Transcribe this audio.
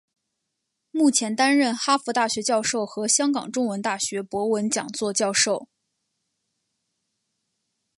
目前担任哈佛大学教授和香港中文大学博文讲座教授。